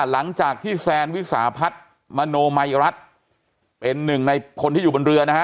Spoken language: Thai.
หลังจากที่แซนวิสาพัฒน์มโนมัยรัฐเป็นหนึ่งในคนที่อยู่บนเรือนะฮะ